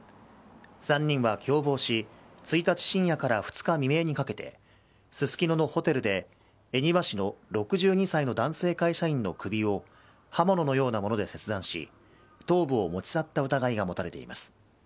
３人は共謀し１日深夜から２日未明にかけてススキノのホテルで恵庭市の６２歳の男性会社員の首を刃物のようなもので切断し頭部を持ち去った疑いが持たれています。